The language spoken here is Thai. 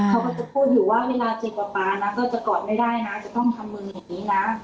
เขาก็จะพูดอยู่ว่าเวลาเจอกับป๊านะก็จะกอดไม่ได้นะจะต้องทำมืออย่างนี้นะ